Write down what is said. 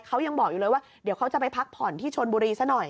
เขายังบอกอยู่เลยว่าเดี๋ยวเขาจะไปพักผ่อนที่ชนบุรีซะหน่อย